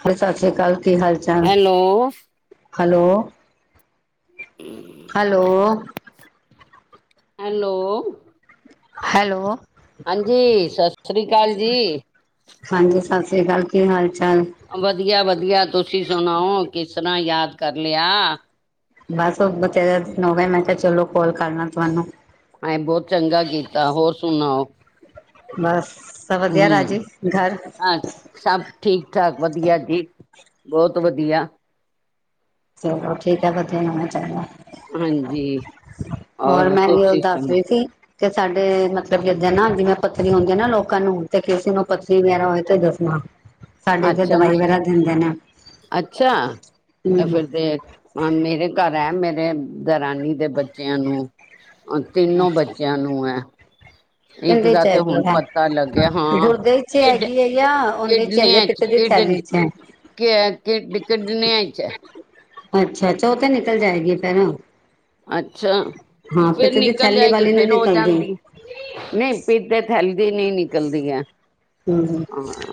ਸਤਿ ਸ੍ਰੀ ਅਕਾਲ ਕੀ ਹਾਲ ਚਾਲ hello hello. [inaudible] Hello. Hello. Hello. ਹਾਂਜੀ ਸਤਿ ਸ਼੍ਰੀ ਅਕਾਲ ਜੀ। ਹਾਂਜੀ ਸਤਿ ਸ਼੍ਰੀ ਅਕਾਲ, ਕੀ ਹਾਲ ਚਾਲ? ਵਧੀਆ ਵਧੀਆ ਤੁਸੀਂ ਸੁਣਾਓ ਕਿਸ ਤਰ੍ਹਾਂ ਯਾਦ ਕਰ ਲਿਆ। ਬਸ ਬਥੇਰੇ ਦਿਨ ਹੋ ਗਏ ਮੈਂ ਕਿਹਾ ਚਲੋ ਕਾਲ ਕਰਨਾ ਤੁਹਾਨੂੰ। ਹਾਏ ਬਹੁਤ ਚੰਗਾ ਕੀਤਾ। ਹੋਰ ਸੁਣ ਉਹ? ਬਸ ਸਭ ਵਧੀਆ ਰਾਜੀ ਘਰ। ਹਾਂ ਸਭ ਠੀਕ ਠਾਕ ਵਧੀਆ ਜੀ ਬਹੁਤ ਵਧੀਆ। ਚਲੋ ਠੀਕ ਹੈ ਵਧੀਆ ਹੋਣਾ ਚਾਹੀਦਾ। ਹਾਂਜੀ ਹੋਰ ਔਰ ਮੈਂ ਕੀ ਉਹ ਤੁਸੀਂ ਦੱਸ ਸੁਣਾ ਰਹੀ ਸੀ। ਤੇ ਸਾਡੇ ਮਤਲਬ ਜਿੱਦਾਂ ਨਾ ਜਿਵੇਂ ਪੱਥਰੀ ਹੁੰਦੀ ਆ ਨਾ ਲੋਕਾਂ ਨੂੰ ਤੇ ਕਿਸੇ ਨੂੰ ਪੱਥਰੀ ਵਗੈਰਾ ਹੋਏ ਤੇ ਦੱਸਣਾ ਸਾਡੇ ਇਥੇ ਅੱਛਾ ਦਵਾਈ ਵਗੈਰਾ ਦਿੰਦੇ ਨੇ। ਅੱਛਾ ਤਾਂ ਹਮ ਫਿਰ ਦੇਖ ਮੇਰੇ ਘਰ ਹੈ ਮੇਰੇ ਦਰਾਨੀ ਦੇ ਬੱਚਿਆਂ ਨੂੰ ਤਿੰਨੋ ਬੱਚਿਆਂ ਨੂੰ ਨੂੰ ਹੈ। ਇੱਕ ਕਿਦੇ ਦਾ ਚ ਤੇ ਹੈਗੇ ਹੁਣ ਹੈ ਪਤਾ ਲੱਗਿਆ ਹਾਂ ਗੁਰਦੇ ਚ ਕਿ ਹੈਗੀ ਹੈ ਆ ਉਹਦੇ ਚ ਹੈਗੀ ਆ ਪਿਤ ਦੀ ਥੈਲੀ ਚ। ਚ ਹੈ। ਕਿ ਕਿ ਕਿਡਨਿਆ ਚ ਹੈ ਅੱਛਾ ਅੱਛਾ ਓਹ ਤੇ ਨਿਕਲ ਜਾਏਗੀ ਫੇਰ। ਅੱਛਾ ਹਾਂ ਫਿਰ ਪਿੱਤ ਦੀ ਨਿਕਲ ਥੈਲੀ ਜਾਏਗੀ ਵਾਲੀ ਨੀ ਫੇਿਰ ਹੋ ਨਿਕਲਦੀ। ਜਾਂਦੀ। ਨਹੀਂ ਪੀਤੇ ਥੈਲਦੀ ਨਹੀਂ ਨਿਕਲਦੀ ਹੈ। ਹਮ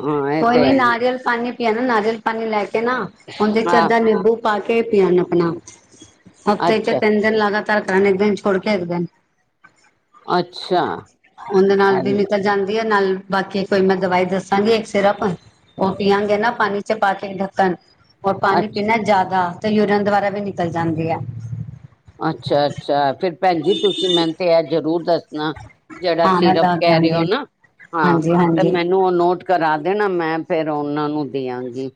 ਹਾਂ ਇਹ ਕੋਈ ਤੇ ਨੀ ਹੈ ਹੀ ਨਾਰੀਅਲ ਪਾਣੀ ਪੀਿਆ ਨਾ ਨਾਰੀਅਲ ਪਾਣੀ ਲੈ ਕੇ ਨਾ ਉਹਦੇ ਚ ਹਾਂ ਅੱਧਾ ਨਿੰਬੂ ਪਾ ਕੇ ਪੀਣ ਆਪਣਾ ਹਫ਼ਤੇ ਚ ਅੱਛਾ ਤਿੰਨ ਦਿਨ ਲਗਾਤਾਰ ਕਰਨ ਇੱਕ ਦਿਨ ਛੋੜ ਕੇ ਇੱਕ ਦਿਨ। ਅੱਛਾ ਉਹਦੇ ਨਾਲ ਵੀ ਐਵੇਂ, ਨਿਕਲ ਜਾਂਦੀ ਹੈ ਨਾਲ ਬਾਕੀ ਕੋਈ ਮੈਂ ਦਵਾਈ ਦੱਸਾਂਗੀ ਇੱਕ ਸਿਰਪ ਉਹ ਪੀਆਗੇ ਨਾ ਪਾਣੀ ਚ ਪਾ ਕੇ ਢੱਕਣ ਉਹ ਪਾਣੀ ਅੱਛਾ ਪੀਣਾ ਜ਼ਿਆਦਾ ਤੇ ਯੂਰੀਅਨ ਦੁਆਰਾ ਵੀ ਨਿਕਲ ਜਾਂਦੀ ਹੈ ਅੱਛਾ ਅੱਛਾ ਫੇਰ ਭੈਣ ਜੀ ਤੁਸੀਂ ਮੈਨੂੰ ਤੇ ਇਹ ਜ਼ਰੂਰ ਦੱਸਣਾ ਜਿਹੜਾ ਹਾਂ ਮੈਂ ਸਿਰਪ ਦੱਸ ਕਹਿ ਰਹੇ ਹੋ ਦਿਆਂਗੀ। ਨਾ ਹਾਂ ਹਾਂਜੀ ਤੇ ਹਾਂਜੀ ਮੈਨੂੰ ਨੂੰ ਨੋਟ ਕਰਾ ਦੇਣਾ ਮੈਂ ਫੇਰ ਉਹਨਾਂ ਨੂੰ ਦੇਆਂਗੀ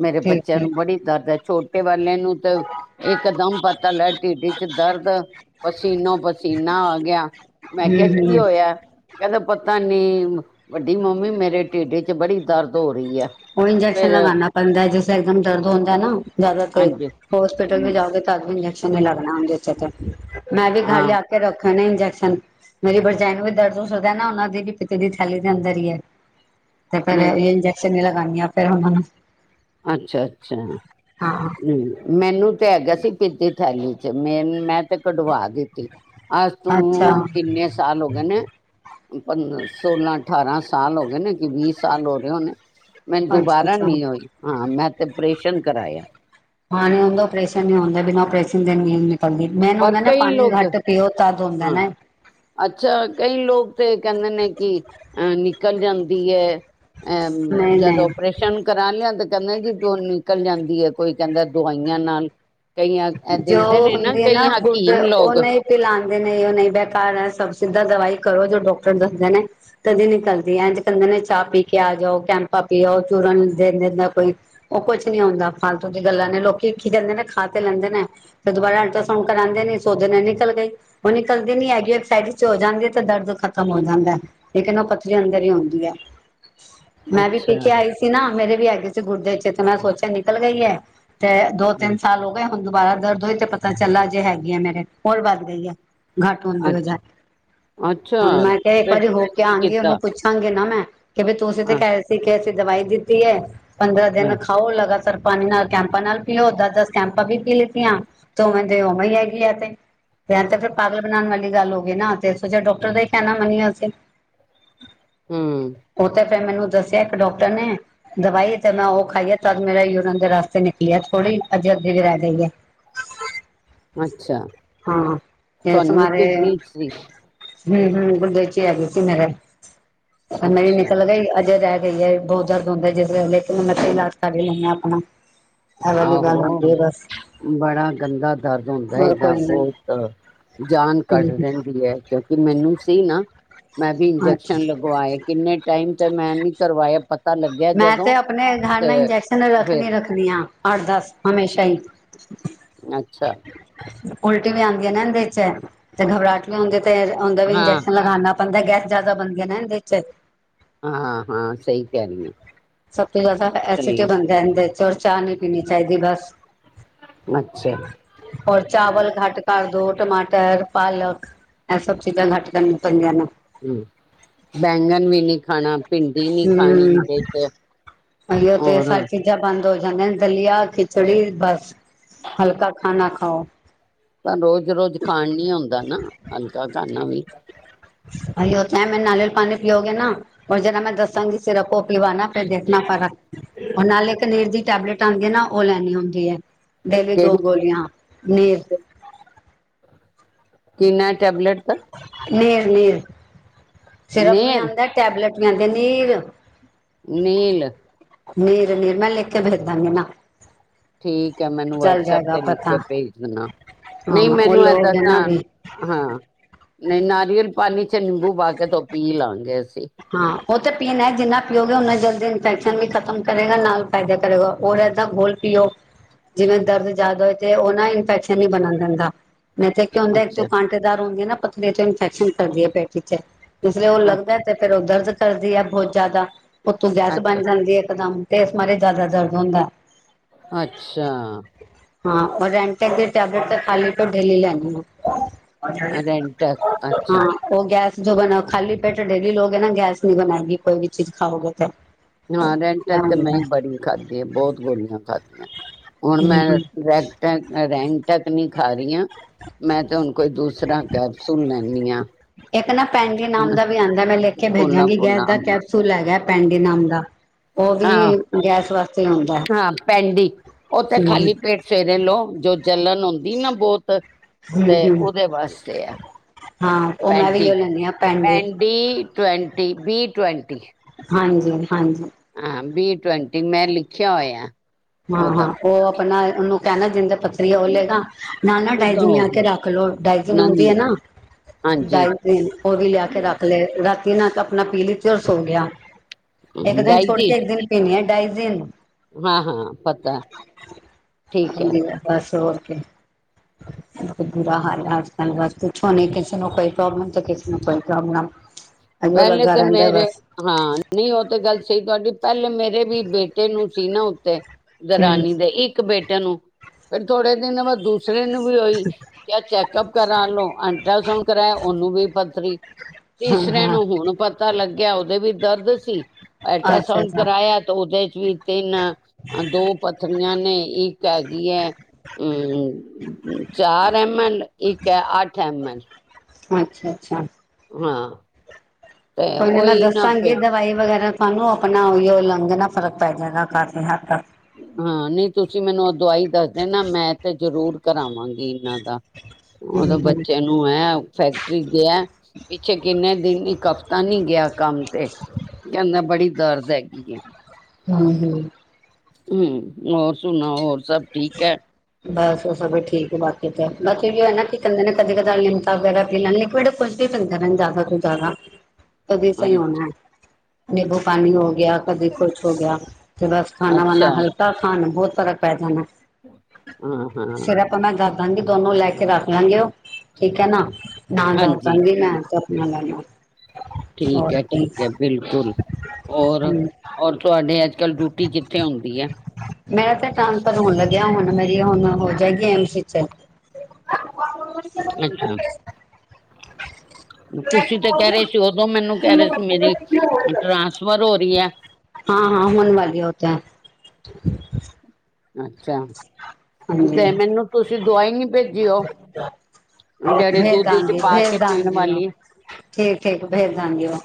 ਮੇਰੇ ਬੱਚਿਆਂ ਨੂੰ ਬੜੀ ਦਰਦਾ ਛੋਟੇ ਵਾਲੇ ਨੂੰ ਤਾਂ ਇਕਦਮ ਪਤਾ ਲੱਗ ਟਿਡ ਚ ਦਰਦ ਪਸੀਨੋ ਪਸੀਨਾ ਆ ਗਿਆ ਮੈਂ ਕਿਹਾ ਕੀ ਹੋਇਆ ਕਹਿੰਦਾ ਪਤਾ ਨੀ ਵੱਡੀ ਮੰਮੀ ਮੇਰੇ ਟਿਡ ਚ ਬੜੀ ਦਰਦ ਹੋ ਰਹੀ ਆ ਹੁਣ ਇੰਜੈਕਸ਼ਨ ਲਗਾਣਾ ਪੈਂਦਾ ਜਿਸ ਇੱਕਦਮ ਦਰਦ ਹੋਂਦਾ ਨਾ ਜ਼ਿਆਦਾ ਤੇਜ ਹਾਂਜੀ ਹੋਸਪਿਟਲ ਵੀ ਹਮ, ਜਾੳਗੇ। ਤਦ ਵੀ ਇੰਜੈਕਸ਼ਨ ਨੀ ਲੱਗਣਾ ਹੁੰਦੇ ਉਤੇ ਤੇ ਮੈਂ ਵੀ ਘਰ ਹਾਂ ਲਿਆ ਕੇ ਰੱਖੇ ਨੇ ਇੰਜੈਕਸ਼ਨ। ਮੇਰੀ ਭਰਜਾਈ ਨੂੰ ਵੀ ਦਰਦ ਹੋ ਸਕਦਾ ਨਾ ਉਹਨਾ ਦੀ ਵੀ ਪਿਤੇ ਦੀ ਥੈਲੀ ਦੇ ਅੰਦਰ ਹੀ ਏ। ਤੇ ਫੇਰ ਨਹੀਂ ਇਹ ਇੰਜੈਕਸ਼ਨ ਹੀ ਲਗਾਨੀ ਆ ਫੇਰ ਉਹਨਾ ਨੂੰ। ਅੱਛਾ ਅੱਛਾ ਹੁ। ਹਾਂ ਮੈਨੂੰ ਤੇ ਹੈਗਾ ਸੀ ਪਿਤ ਦੀ ਥੈਲੀ ਚ ਮੇ ਮੈਂ ਤੇ ਕਢਵਾ ਦੀ ਅਜ ਤੋਂ ਅੱਛਾ ਕਿੰਨੇ ਸਾਲ ਹੋ ਗਏ ਨੇ। ਪੰਦਰਾ ਸੋਲਾਂ ਅਠਾਰਾਂ ਸਾਲ ਹੋ ਗਏ ਨੇ ਕਿ ਵੀਹ ਸਾਲ ਹੋ ਗਹੇ ਹੋਨੇ। ਮੈਨ ਅੱਛਾ ਦੁਬਾਰਾ ਅੱਛਾ ਨਹੀਂ ਹੋਈ ਹਾਂ ਮੈਂ ਤੇ ਪਰੇਸ਼ਨ ਕਰਾਇਆ। ਹਾਂ ਹੁੰਦਾ ਓਪਰੇਸ਼ਨ ਹੀ ਹੁੰਦਾ ਬਿਨਾਂ ਆਪਰੇਸ਼ਨ ਦੇ ਨੀ [unintelligible] ਮੈਨੂੰ ਪਰ ਹੁੰਦਾ ਨਾ ਕਈ ਪਾਨੀ ਲੋਕ ਘੱਟ ਪੀਓ ਤਦ ਹੁੰਦਾ ਹਾਂ ਨਾ। ਅੱਛਾ ਕਈ ਲੋਕ ਤੇ ਕਹਿੰਦੇ ਨੇ ਕਿ ਅ ਨਿਕਲ ਜਾਂਦੀ ਏ। ਅ ਨਹੀਂ ਜਦ ਨਹੀਂ ਆਪਰੇਸ਼ਨ ਕਰਾਨੇ ਆ ਤੇ ਕਹਿੰਦੇ ਜੀ ੳ ਨਿਕਲ ਜਾਂਦੀ ਹੈ ਕੋਈ ਕਹਿੰਦਾ ਦਵਾਈਆਂ ਨਾਲ ਕਈਆਂ ਇਹ ਜੋ ਦਿੰਦੇ ਨੇ ਹੁੰਦੀ ਹੈ ਕਈ ਨਾ ਬੁਧ ਹਕੀਮ ਲੋਕ ਉਹਨੇ ਤੇ ਲਾਂਦੇ ਨੇ ਉਹ ਨਹੀਂ ਬੇਕਾਰ ਹੈ ਸਭ ਸਿੱਧਾ ਦਵਾਈ ਕਰੋ ਜੋ ਡਾਕਟਰ ਦੱਸਦੇ ਨੇ। ਕਦੀ ਨਿਕਲਦੀ ਏਂਜ ਕਹਦੇ ਨੇ ਚਾਹ ਪੀ ਕੇ ਆ ਜਾਓ ਕੈਂਪਾਂ ਪੀੳ ਚੂਰਨ ਦੇ ਦੇਂਦਾ ਕੋਈ। ਉਹ ਕੁਛ ਨੀ ਹੋਦਾ ਫਾਲਤੂ ਦੀਆਂ ਗੱਲਾਂ ਨੇ ਲੋਕੀ ਕੀ ਕਹਿੰਦੇ ਨੇ ਖਾ ਤੇ ਲੈਂਦੇ ਤੇ ਦੁਬਾਰਾ ਅਲਟਰਾਸਾਊਂਡ ਕਰਾਂਦੇ ਨੇ ਸੋਚਦੇ ਨੇ ਨਿਕਲ ਗਈ। ਉਹੁ ਨਿਕਲਦੀ ਨੀ ਹੈਗੀ ਸਾਈਡ ਇਚ ਹੋ ਜਾਂਦੀ ਹੈ ਤੇ ਦਰਦ ਖ਼ਤਮ ਹੋ ਜਾਂਦਾ। ਲੇਕਿਨ ਉਹ ਪੱਥਰੀ ਅੰਦਰ ਹੀ ਹੋਂਦੀ ਹੈ। ਮੈਂ ਵੀ ਪੀ ਕੇ ਅੱਛਾ ਆਈ ਸੀ ਨਾ ਮੇਰੇ ਵੀ ਹੈਗੀ ਸੀ ਗੁਰਦੇ ਚ ਤੇ ਮੈਂ ਸੋਚਿਆ ਨਿਕਲ ਗਈ ਹੈ। ਤੇ ਦੋ ਹੂੰ, ਤਿੰਨ ਸਾਲ ਹੋ ਗਏ ਹੁਨ ਦੁਬਾਰਾ ਦਰਦ ਹੋਈ ਤੇ ਪਤਾ ਚੱਲਾ ਜੇ ਹੈਗੀ ਆ ਮੇਰੇ ਹੋਰ ਵੱਧ ਗਈ ਏ। ਘੱਟ ਹੋਨ ਦੀ ਵਜਾ ਅੱਛਾ ਹੁਣ ਅੱਛਾ ਮੈਂ ਕਿਹਾ ਇੱਕ ਫਿਰ ਵਾਰੀ ਹੋ ਤੁਸੀਂ ਕੇ ਕੀ ਆਂਗੀ ਕੀਤਾ ਉਹਨੂੰ ਪੁੱਛ ਕਹਾਗੀ ਨਾ ਮੈਂ ਕਿ ਬ ਤੁਸੀਂ ਤੇ ਹਾਂ ਕਹਿ ਰਹੇ ਸੀ ਕਿ ਅਸੀਂ ਦਵਾਈ ਦਿੱਤੀ ਹੈ ਪੰਦਰਾਂ ਹਾਂ ਦਿਨ ਖਾਓ ਲਗਾਤਾਰ। ਪਾਨੀ ਨਾਲ ਕੈਂਪਾਂ ਨਾਲ ਪਿਓ ਦੱਸ ਦੱਸ ਕੈਂਪਾਂ ਵੀ ਪੀ ਲਿੱਤੀਆਂ ਤੇ ਉਵੇਂ ਦੇ ਉਵੇਂ ਹੀ ਹੈਗੀ ਇਹ ਤੇ ਫੇਰ ਇਹ ਤੇ ਪਾਗਲ ਬਨਾਣ ਵਾਲੀ ਗੱਲ ਹੋ ਗਈ ਨਾ ਤੇ ਅਸੀਂ ਸੋਚਿਆ ਡਾਕਟਰ ਦਾ ਹੀ ਕਹਿਨਾ ਮੰਨੀਏ ਅਸੀ ਹਮ ਉਹ ਤੇ ਫੇਰ ਮੈਨੂੰ ਦੱਸਿਆ ਇੱਕ ਡਾਕਟਰ ਨੇ। ਦਵਾਈ ਤੇ ਮੈਂ ਉਹ ਖਾਈ ਆ ਤਦ ਮੇਰਾ ਯੂੂਰਨ ਦੇ ਰਾਸਤੇ ਨਿਕਲੀ ਏ ਥੋੜ੍ਹੀ ਅਜੇ ਦੀ ਵੀ ਰੇ ਗਈ ਐ ਅੱਛਾ ਹਾਂ ਏਸ ਤੁਹਾਨੂੰ ਵੀ ਮਾਰੇ ਕਿਡਨੀ ਸੀ ਹੁ ਹੁ ਗੁਰਦੇ ਚ ਹੇਗੀ ਸੀ ਮੇਰੇ ਹੁਨ ਮੇਰੀ ਅੱਛਾ ਨਿਕਲ ਗਈ ਅਜੇ ਰੇਹ ਗਈ ਹੈ। ਬਹੁਤ ਦਰਦ ਹੁੰਦਾ ਜਿਸ [unintelligible] ਵੇਲੇ ਇਲਾਜ ਕਰ ਲੈਂ ਆ ਆਪਣਾ ਆਹੋ ਹੈ ਬਸ ਬੜਾ ਗੰਦਾ ਦਰਦ ਹੁੰਦਾ ਹੋਰ ਇਦਾਂ ਕੋਈ ਨਹੀਂ ਬਹੁਤ ਜਾਨ ਕੱਡ ਦਿੰਦੀ ਹੈ ਕਿਉਂਕਿ ਮੈਨੂੰ ਸੀ ਨਾ। ਮੈਂ ਵੀ ਹਮ ਅੱਛਾ ਇੰਜੈਕਸ਼ਨ ਲਗਵਾਏ ਕਿੰਨੇ ਟਾਈਮ ਤੇ ਮੈਂ ਨੀ ਕਰਵਾਇਆ ਪਤਾ ਲੱਗਿਆ ਮੈਂ ਤੇ ਜਦੋਂ ਆਪਣੇ ਘਰ ਨਾ ਤੇ ਇੰਜੈਕਸ਼ਨ ਫਿਰ ਰੱਖਨੀ ਰੱਖਨੀ ਆਂ ਅੱਠ ਦਸ ਹਮੇਸ਼ਾ ਹੀ। ਅੱਛਾ। ਉਲਟੀ ਵੀ ਆਂਦੀ ਹੈ ਨਾ ਇਹੰਦੇ ਚ ਤੇ ਘਬਰਾਹਟ ਵੀ ਹੁੰਦੀ ਤੇ ਉਹਦਾ ਵੀ ਹਾਂ ਇੰਜੈਕਸ਼ਨ ਲਗਾਨਾ ਬੰਨਦਾ ਗੈਸ ਜੈਦਾ ਬਨਦੀ ਏ ਨਾ ਇਹੰਦੇ ਚ। ਹਾਂ ਹਾਂ ਸਹੀ ਕਹਿ ਰਹੀ ਹੈ ਸਭ ਤੋਂ ਜੈਦਾ ਐਸਿਡ ਸਹੀ ਬਨਦਾ ਏਨਦੇ ਚਲੇ ਚਾ ਨਹੀਂ ਪੀਨੀ ਚਾਹੀਦੀ ਬਸ। ਅੱਛਾ। ਔਰ ਚਾਵਲ ਘੱਟ ਕਰ ਦੋ ਟਮਾਟਰ ਪਾਲਕ ਇਹ ਸਭ ਚੀਜ਼ਾਂ ਘੱਟ ਕਰਨ [unintelligible] ਹਮ ਬੈਂਗਣ ਵੀ ਨੀ ਖਾਣਾ ਭਿੰਡੀ ਨੀ ਖਾਣੀਦੇ ਚ। ਹਲੇ ਤੇ [unintelligible] [unintelligible] ਦਲੀਆ ਖਿਚੜੀ ਬਸ ਹਲਕਾ ਖਾਨਣਾ ਖਾਓ। ਪਰ ਰੋਜ਼ ਰੋਜ਼ ਖਾਣ ਨੀ ਆਉਂਦਾ ਨਾ ਹਲਕਾ ਖਾਣਾ ਵੀ। [unintelligible] ਮੈਂ ਨਾਰੀਅਲ ਪਾਣੀ ਪੀਉਗੇ ਨਾਔ ਜਰਾ ਮੈਂ ਦੱਸਾਂਗੀ ਸਿਰਪ। ਪਵਾਣਾ ਫੇਿਰ ਦੇਖਣਾ ਫਰਕ ਉਹ ਨਾਲੇ ਇੱਕਨੀਰ ਦੀ ਟੈਬਲੇਟ ਆਉਂਦੀ ਹੈ ਨਾ ਉਹ ਲੈਣੀ ਹੁੰਦੀ ਹੈ। ਦੇਲੀ ਦੋ ਕਿਹੜੀ ਗੋਲੀਆਂ ਨੀਰ। ਕਿੰ ਨਾ ਟੈਬਲੇਟ ਦਾ ਨੀਰ ਨੀਰ ਸਿਰਪ ਵੀ ਨੇਲ ਆਉਂਦਾ ਟੈਬਲੇਟ ਵੀ ਆਉਂਦੇ ਨੀਰ। ਨੀਲ। ਨੀਰ ਨੀਰ ਮੈ ਲਿਖ ਕੇ ਬੇਜ ਦਾਗੀ ਨਾ ਠੀਕ ਹੈ ਮੈਨੂੰ ਚੱਲ ਵਟਸਐਪ ਜਾਏਗਾ ਤੇ ਲਿਖ ਪਤਾ ਕੇ ਭੇਜ ਦੇਣਾ ਹਾਂ ਨਹੀਂ ਉਹ ਮੈਨੂੰ ਏਦਾਂ ਲੋਗ ਹੈ ਨਾ ਧਿਆਨ ਵੀ ਹਾਂ ਨਹੀਂ ਨਾਰੀਅਲ ਪਾਣੀ ਚ ਨਿੰਬੂ ਪਾ ਕੇ ਧੋ ਪੀ ਲਵਾਂਗੇ ਅਸੀਂ। ਹਾਂ ਉਹ ਤਾਂ ਪੀਣਾ ਜਿੰਨਾ ਪੀਓਗੇ ਉਨਾ ਜਲਦੀ ਇਨਫੈਕਸ਼ਨ ਵੀ ਖ਼ਤਮ ਕਰੇਗਾ ਨਾਲ ਫਾਇਦਾ ਕਰੇਗਾ ਉਹਰ ਇਹਾਂ ਗੋਲ ਪੀਓ ਜਿਵੇਂ ਦਰਦ ਜਿਆਦਾ ਹੋਏ ਤੇ ਉਹ ਨਾ ਇਨਫੈਕਸ਼ਨ। ਇਥੇ ਨੀ ਬਣਨ ਦਿੰਦਾ ਨਹੀਂ ਤੇ ਕਿਉ ਹੁੰਦਾ ਇੱਕ ਅੱਛਾ ਕਟ ਦਾਰ ਹੁੰਦੀ ਹੈ ਨਾ ਪੱਥਰੀ ਚ ਇਨਫੈਕਸ਼ਨ ਕਰਦੀ ਹੈ ਪੇਟੀ ਚ ਇਸਲੇ ਉਹ ਲਗਦਾ। ਅੱਛਾ ਤੇ ਫੇਿਰ ਉਹ ਦਰਦ ਕਰਦੀ ਹੈ ਬਹੁਤ ਜ਼ਿਆਦਾ ਉੱਤੋਂ ਗੈਸ ਅੱਛਾ ਬਣ ਜਾਂਦੀ ਹੈ ਇਕਦਮ। ਤੇ ਇਸ ਮਾਰੇ ਜ਼ਿਆਦਾ ਦਰਦ ਹੁੰਦਾ। ਅੱਛਾ। ਹਾਂ ਔਰਟੈ ਦੀ ਟੈਬਲੇਟ ਤਾਂ ਖਾਲੀ ਤੋਂ ਢਲੀ ਲੈਣੀ। ਰੈਂਟਕ ਅੱਛਾ ਹਮ। ਉਹ ਗੈਸ ਜੋ ਬਣਾ ਖਾਲੀ ਪੇਟ ਡੇਲੀ ਲੋਕਗੇ ਨਾ ਗੈਸ ਨ ਨਹੀਂ ਬਣਾਏਗੀ ਕੋਈ ਵੀ ਚੀਜ਼ ਖਾਓਗੇ ਤਾਂ ਹਾਂ ਰੈਂਟਕ ਤੇ ਮੈਂ ਹੀ ਬੜੀ ਖਾਧੀ ਹੈ ਬਹੁਤ ਗੋਲੀਆਂ ਖਾਧੀਆਂ ਹੁਣ ਮੈਂ ਹੂੰ ਰ ਹੂੰ [unintelligible] ਕੋਈ ਦੂਸਰਾ ਕੈਪਸੂਲ ਲੈਂਦੀ ਹੈ। ਇੱਕ ਨਾ ਪੈਣਡ ਨਾਮ ਦਾ ਵੀ ਆਉਂਦਾ ਮੈਂ ਲਿਖ ਕੇ ਪੋਲਾ ਭੇਜਾਂਗੀ ਪੋਲਾ ਗੈਸ ਦਾ ਕੈਪਸੂਲ ਸੂਲ ਹੈਗਾ ਪੈਂਡੀਨਾਮ ਦਾ ਉਹ ਹਾਂ ਵੀ ਗੈਸ ਵਾਸਤੇ ਆਉਂਦਾ ਹੈ। ਹਾਂ ਪੈਂਡੀ। ਉਹ ਤੇ ਹਮ ਖਾਲੀ ਪੇਟ ਫੇਰੇ ਲਓ ਜੋ ਜਲਣ ਹੁੰਦੀ ਨਾ ਬਹੁਤ। ਤੇ ਹਮ ਹਮ ਉਹਦੇ ਵਾਸਤੇ ਆ ਹਾਂ ਉਹ ਮੈਂ ਵੀ ਪੈਂਡੀ ਉਹ ਲੈਂਦੀ ਹਾਂ ਪੈਂ ਪੈਂਡੇ ਡੀ ਟਵੈਂਟੀ ਬੀ ਟਵੈਂਟੀ ਹਾਂਜੀ ਹਾਂਜੀ। ਹਾਂ ਬੀ ਟਵੰਟੀ ਮੈਂ ਲਿਖਿਆ ਹੋਇਆ। ਹਾਂ ਹਾਂ ਉਹਦਾ ਉਹ ਆਪਣਾ ਉਹਨੂੰ ਕਹਿਣਾ ਜਿੰਦੇ ਪ ਉਹਦਾ ਹੋ ਗਿਆ ਆਪਣਾ ਨੀ [unintelligible] ਹਾਂਜੀ ਦਾਈ ਤ ਉਹ ਵੀ ਲਿਆ ਕੇ ਰੱਖ ਲੈ ਰ ਤਨ ਆਪਣਾ ਪੀ ਲਈਤੀ ਔਰ ਸੋ ਗਿਆ ਇੱਕ ਦਿਨ ਡਾਈ ਛੋੜ ਜੀ ਕੇ ਇੱਕ ਦਿਨ ਪੀਣੀ ਹੈ ਡਾਈਜ਼ਨ। ਹਾਂ ਹਾਂ ਪਤਾ ਠੀਕ ਹੈ। ਹਾਂਜੀ ਬਸ ਹੋਰ ਕੀ [unintelligible] ਅਜ ਉਹ ਪਹਿਲੇ ਲੱਗਾ ਤੇ ਰਹਿੰਦਾ ਮੇਰੇ ਬਸ। ਹਾਂ ਨਹੀਂ ਉਹ ਤੇ ਗੱਲ ਸਹੀ ਤੁਹਾਡੀ ਪਹਿਲੇ ਮੇਰੇ ਵੀ ਬੇਟੇ ਨੂੰ ਸੀ ਨਾ ਉੱਤੇ ਦਰਾਨੀ ਦੇ ਹਮ ਇੱਕ ਬੇਟੇ ਨੂੰ ਫੇਿਰ ਥੋੜੇ ਦਿਨ ਬਾ ਦੂਸ। ਦੂਸਰੇ ਨੂੰ ਵੀ ਉਈ ਕਿਆ ਚੈੱਕਅਪ ਕਰਾ ਲਓ ਅਲਟਰਾਸਾਊਂਡ ਕਰਾਇਆ ਉਹਨੂੰ ਵੀ ਪੱਥਰੀ ਹਾਂ- ਹਾਂ ਹੁਨ ਪਤਾ ਲੱਗਿਆ ਉਹਦੇ ਵੀ ਦਰਦ ਸੀ ਹਾਂ ਅੱਛਾ ਐਲਟਰਾਸਾਊਂਡ ਅੱਛਾ ਕਰਾਇਆ ਤਾਂ ਉਹਦੇ 'ਚ ਵੀ ਤਿੰਨ ਦੋ ਪੱਥਰੀਆਂ ਨੇ ਇੱਕ ਹੈਗੀ ਐ ਹੰ ਚਾਰ ਐਮ ਐਲ, ਇੱਕ ਹੈ ਅੱਠ ਐਮ ਐਲ ਅੱਛਾ-ਅੱਛਾ ਹਾੰ ਕੋਈ ਨੀ ਮੈਂ ਦੱਸਾਂਗੀ ਦਵਾਈ ਵਗੈਰਾ ਤੁਹਾਨੂੰ ਆਪਨਾ ਉਹੀ ਲੰਗ ਨਾ ਫਰਕ ਪੈ ਜਾਏਗਾ ਕਾਫ਼ੀ ਹੱਦ ਤੱਕ ਹਾਂ ਨਹੀਂ ਤੁਸੀਂ ਮੈਨੂੰ ਉਹ ਦਵਾਈ ਦੱਸ ਦੇਣਾ ਮੈਂ ਤੇ ਜ਼ਰੂਰ ਕਰਾਵਾਂਗੀ ਇਹਨਾਂ ਦਾ ਉਹਦੇ ਹਮ ਹਮ ਬੱਚਿਆਂ ਨੂੰ ਤੋਂ ਇਹ ਫੈਕਟਰੀ ਗੇਆ ਪਿੱਛੇ ਕਿੰਨੇ ਦਿਨ ਇੱਕ ਹਫ਼ਤਾ ਨੀ ਗਿਆ ਕੰਮ ਤੇ ਕਹਿੰਦਾ ਬੜੀ ਦਰਦ ਹੈਗੀ ਏ ਹੰ ਹੰ ਹੋਰ ਸੁਣਾਓ ਹੋਰ ਸਭ ਠੀਕ ਏ ਬਸ ਸਭ ਠੀਕ ਬਸ ਕਿਤੇ ਅਸੀਂ ਵੀ ਹੈਨਾ ਕਿਤੇ ਨਾ ਕਦੇ ਕਦਾਈਂ ਲਿਮਕਾ ਵਗੈਰਾ ਪੀ ਲੈਣੇ ਲਿਇੰਵਡ ਕੁਝ ਵੀ ਪੀਦਾ ਜ਼ਿਆਦਾ ਤੋਂ ਜ਼ਿਆਦਾ ਤਦੀ ਸਹੀ ਹਾਂ ਹੋਨਾ ਏ, ਨਿੰਬੂ ਪਾਨੀ ਹੋ ਗਿਆ ਕਦੇ ਕੁੁਛ ਹੋ ਗੇਆ ਤੇ ਬਸ ਖਾਨਾ- ਵਾਨਾ ਅੱਛਾ ਹਲਕਾ ਖਾਨ ਬਹੁਤ ਫਰਕ ਪੈ ਜਾਨਾ ਹਾਂ ਹਾਂ ਸਿਰਪ ਮੈਂ ਦੱਸ ਦਾਂਗੀ ਦੋਨੋ ਲੈ ਕੇ ਰੱਖ ਲਾਂਗੇ ਉਹ ਠੀਕ ਹੈ ਨਾ ਨਾ ਦੱਸ ਹਾਂਜੀ ਦਾਗੀ ਮੈਂ ਤੇ ਆਪਨਾ ਲੈਨਾ ਠੀਕ ਹੈ ਠੀਕ ਹੈ ਬਿਲਕੁਲ, ਔਰ ਹੂੰ ਔਰ ਤੁਹਾਡੇ-' ਅੱਜ ਕੱਲ ਡਿਊਟੀ ਕਿੱਥੇ ਹੁੰਦੀ ਐ ਕਿ ਹੁਨ ਮੇਰੀ ਹੁਨ ਹੋ ਜਾਏਗੀ ਐਮਸ ਵਿਚ ਅੱਛਾ ਤੁਸੀਂ ਤੇ ਕਹਿ ਰਹੇ ਸੀ, ਉਦੋਂ ਮੈਨੂੰ ਕਹਿ ਰਹੇ ਸੀ ਮੇਰੀ ਟਰਾਂਸ ਸਫਰ ਹੋ ਰਈ ਐ ਹਾਂ ਹਾਂ ਹੋਨ ਵਾਲੀ ਉਹ ਤੇ ਅੱਛਾ, ਹਾਂਜੀ ਤੇ ਮੈਨੂੰ ਤੁਸੀਂ ਦਵਾਈ ਨੀ ਤੇ ਉਹ ਜਿਹੜੇ ਭੇਜ ਦੁੱਧੀ 'ਚ ਦਾਂਗੀ ਪਾ ਭੇਜ ਕੇ ਪੀਨ ਦਾਂਗੀ ਉਹ ਵਾਲੀ ਠੀਕ ਹੈ ਜੀ ਭੇਜ ਦਾਂਗੀ ਉਹ,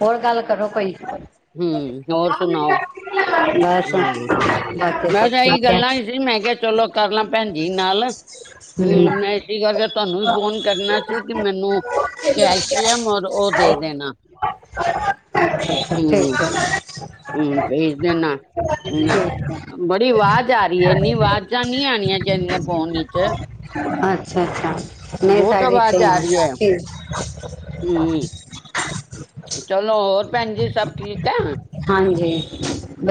ਹੋਰ ਗੱਲ ਕਰੋ ਕੋਈ ਹੂੰ ਹੋਰ ਸੁਣਾਓ ਬਸ ਬਾਕੀ ਸਭ ਠੀਕ ਹੈ ਏਦਾਂ ਹੀ ਮੈਂ ਕਿਹਾ ਚਲੋ ਕਰ ਲਾਂ ਪੈਨ ਜੀ ਨਾਲ ਹੂੰ ਮੈਂ ਇਸੀ ਕਰਕੇ ਤੁਹਾਨੂੰ ਵੀ ਫੋਨ ਕਰਨਾ ਸੀ ਕਿ ਮੈਨੂੰ ਕੈਲਸ਼ੀਅਮ ਔਰ ਉਹ ਦੇ ਦੇਨਾ [unintelligible] ਠੀਕ ਹੈ। ਹੁਨ ਭੇਜ ਦੇਨਾ ਨਾ ਨਾ ਬੜੀ ਆਵਾਜ਼ ਆ ਰਈ ਏ ਏਨੀ ਆਵਾਜ਼ਾਂ ਨਹੀਂ ਆਨੀਆ ਚਾਹੀਦੀਆਂ ਫ਼ੋਨ ਇਚ ਅੱਛਾ ਅੱਛਾ ਨਹੀਂ ਬਹੁਤ ਸਾਡੇ ਏਦਾਂ ਹੀ ਠੀਕ ਹੰ ਚਲੋ ਹੋਰ ਪੈਨ ਜੀ ਸਭ ਠੀਕ ਐ ਹਾਂਜੀ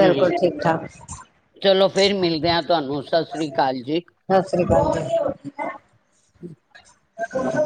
ਹੰ ਠੀਕ ਠਾਕ ਚਲੋ ਫਿਰ ਮਿਲਦੇ ਆ ਤੁਹਾਨੂੰ ਸਤਿ ਸ੍ਰੀ ਅਕਾਲ ਜੀ ਸਤਿ ਸ਼੍ਰੀ ਅਕਾਲ ਜੀ ਹੂੰ ਹੈਲੋ